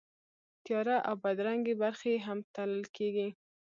تیاره او بدرنګې برخې یې هم تلل کېږي.